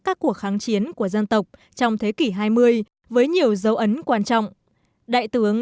các cuộc kháng chiến của dân tộc trong thế kỷ hai mươi với nhiều dấu ấn quan trọng quan trọng quan trọng quan trọng